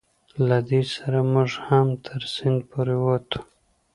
له دې سره موږ هم تر سیند پورې وتو.